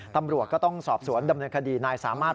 ตำรวจก็ต้องสอบสวนดำเนินคดีนายสามารถ